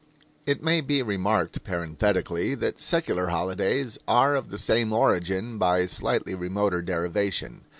It may be remarked, parenthetically, that secular holidays are of the same origin, by slightly remoter derivation.